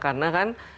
karena kan perhariannya